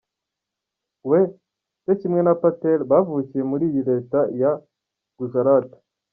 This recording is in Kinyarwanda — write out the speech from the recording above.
We, cyo kimwe na Patel, bavukiye muri iyi leta ya Gujarat.